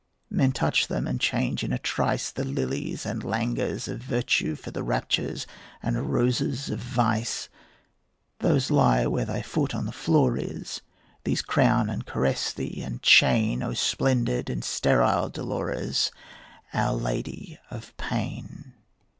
Men touch them, and change in a trice The lilies and languors of virtue For the raptures and roses of vice; Those lie where thy foot on the floor is, These crown and caress thee and chain, O splendid and sterile Dolores, Our Lady of Pain.